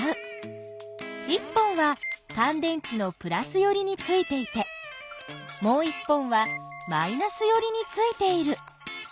１本はかん電池のプラスよりについていてもう１本はマイナスよりについている。